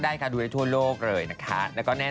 สนับสนุนโดยดีที่สุดคือการให้ไม่สิ้นสุด